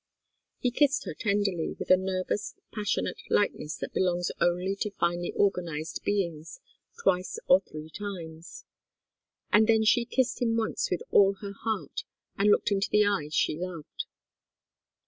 He kissed her tenderly, with a nervous, passionate lightness that belongs only to finely organized beings, twice or three times. And then she kissed him once with all her heart, and looked into the eyes she loved.